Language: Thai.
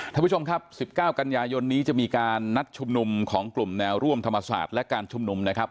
ท่านผู้ชมครับ๑๙กันยายนนี้จะมีการนัดชุมนุมของกลุ่มแนวร่วมธรรมศาสตร์และการชุมนุมนะครับ